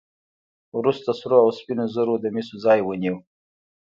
وروسته سرو او سپینو زرو د مسو ځای ونیو.